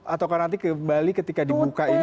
atau nanti kembali ketika dibuka ini